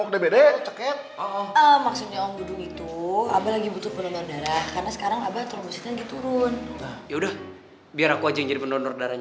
kita lihat sebentar ke dalam